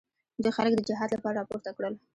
دوی خلک د جهاد لپاره راپورته کړل.